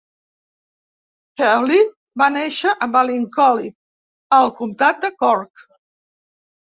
Healy va néixer a Ballincollig, al comtat de Cork.